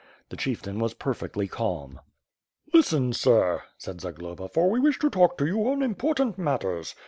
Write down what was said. The chieftain was perfectly calm. "Listen, sir," said Zagloba, "for we wish to talk to you on important matters.